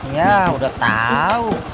ya udah tau